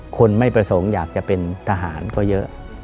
คนไม่ประสงค์อยากจะเป็นทหารก็เยอะ